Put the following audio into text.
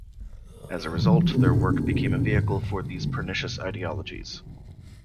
As a result, their work became a vehicle for these pernicious ideologies.